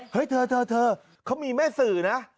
เฮ้ยเธอเธอเธอเขามีแม่สือนะ